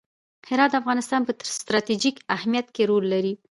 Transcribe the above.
هرات د افغانستان په ستراتیژیک اهمیت کې رول لري.